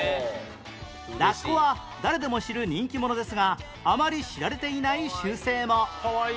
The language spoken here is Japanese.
ラッコは誰でも知る人気者ですがあまり知られていない習性も